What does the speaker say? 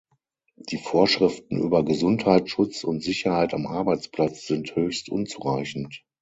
Die Vorschriften über Gesundheitsschutz und Sicherheit am Arbeitsplatz sind höchst unzureichend.